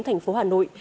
thành phố hà nội